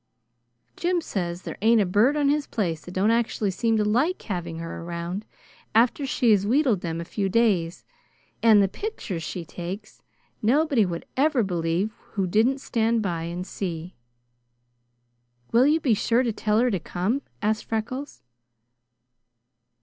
Jim says there ain't a bird on his place that don't actually seem to like having her around after she has wheedled them a few days, and the pictures she takes nobody would ever believe who didn't stand by and see." "Will you he sure to tell her to come?" asked Freckles.